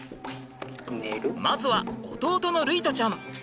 まずは弟の琉維斗ちゃん。